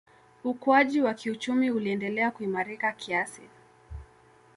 Ukuaji wa kiuchumi uliendelea kuimarika kiasi